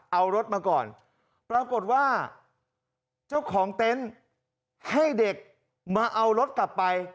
เอารถมาก่อนปรากฏว่าเจ้าของเต็นต์ให้เด็กมาเอารถกลับไป